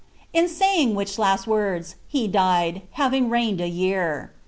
In saying which last words he died, having reigned a year.